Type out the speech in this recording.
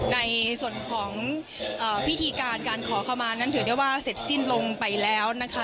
ในส่วนของพิธีการการขอขมานั้นถือได้ว่าเสร็จสิ้นลงไปแล้วนะคะ